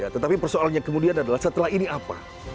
tetapi persoalannya kemudian adalah setelah ini apa